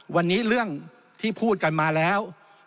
วันนี้เรื่องที่พูดกันมาแล้ว